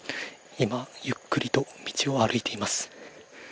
今、ゆっくりと道を歩いています。